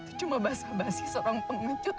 itu cuma basah basih serang pengecut